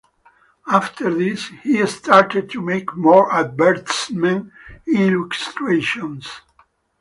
After this, he started to make more advertisement illustrations.